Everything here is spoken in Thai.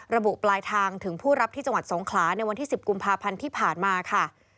ระบุปลายทางถึงผู้รับที่จังหวัดสงขลาในวันที่๑๐กุมภาพันธ์ที่ผ่านมาค่ะ